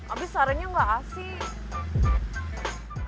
abis sarannya gak asyik